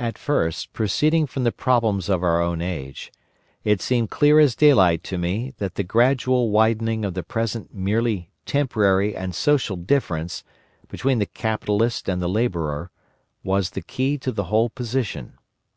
"At first, proceeding from the problems of our own age, it seemed clear as daylight to me that the gradual widening of the present merely temporary and social difference between the Capitalist and the Labourer was the key to the whole position.